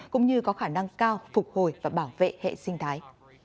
cũng như có khả năng cao phục hồi và bảo vệ hệ sinh thái